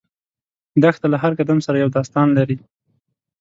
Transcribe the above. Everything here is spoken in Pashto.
دښته له هر قدم سره یو داستان لري.